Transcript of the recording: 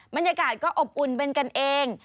บรรยากาศก็อบอุ่นเป็นกันเอง